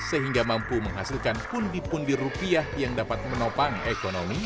sehingga mampu menghasilkan pundi pundi rupiah yang dapat menopang ekonomi